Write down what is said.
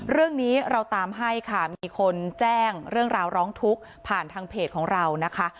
เรื่องนี้เราตามให้ค่ะมีคนแจ้งเรื่องราวร้องทุกข์ผ่านทางเพจของเรานะคะ